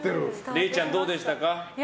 れいちゃん、どうでしたか？